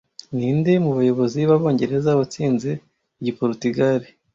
Ninde mu bayobozi b'Abongereza watsinze Igiporutugali